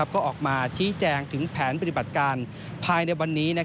ก็ออกมาชี้แจงถึงแผนปฏิบัติการภายในวันนี้